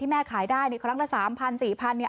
ที่แม่ขายได้เนี่ยครั้งละสามพันสี่พันเนี่ย